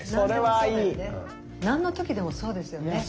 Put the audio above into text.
何の時でもそうですよね。